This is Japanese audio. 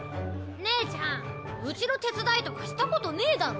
ねえちゃんうちの手伝いとかしたことねぇだろ？